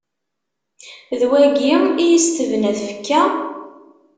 D wagi i yes-s tebna tfekka?